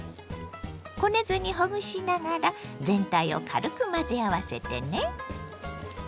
こねずにほぐしながら全体を軽く混ぜ合わせてね。